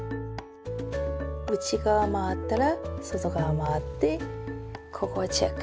内側回ったら外側回ってここをチェック。